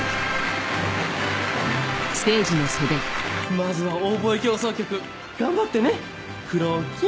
まずは『オーボエ協奏曲』頑張ってね黒きん。